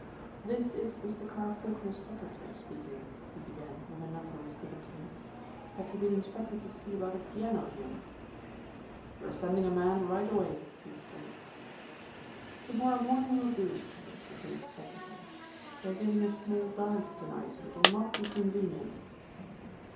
"This is Mr. Carr Faulkner's secretary speaking," he began when the number was given to him. "Have you been instructed to see about a piano here?" "We are sending a man right away," he was told. "To morrow morning will do," said the supposed secretary. "We are giving a small dance to night and it will not be convenient."